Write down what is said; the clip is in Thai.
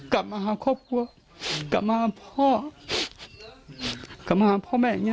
กลับมาหาครอบครัวกลับมาหาพ่อ